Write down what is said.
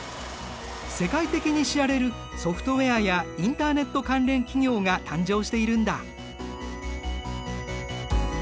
世界的に知られるソフトウェアやインターネット関連企業が誕生しているんだ。